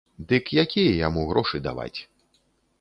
Дык якія яму грошы даваць?